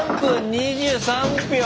３分２３秒。